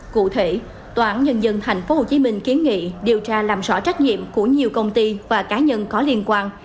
cụ thể tòa án nhân dân tp hcm kiến nghị điều tra làm rõ trách nhiệm của nhiều công ty và cá nhân có liên quan